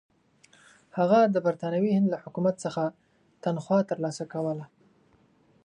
هغه د برټانوي هند له حکومت څخه تنخوا ترلاسه کوله.